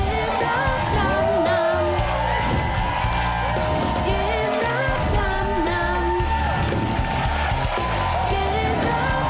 หรือไม่ได้ครับ